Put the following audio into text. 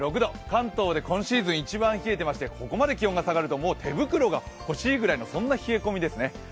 関東で今シーズン一番冷えていましてここまで下がるともう手袋が欲しいぐらいのそんな冷え込みですね。